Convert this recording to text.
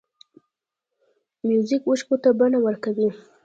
موزیک اوښکو ته بڼه ورکوي.